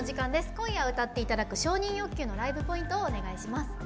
今夜、歌っていただく「承認欲求」のライブポイントをお願いします。